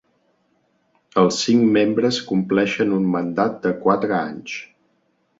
Els cinc membres compleixen un mandat de quatre anys.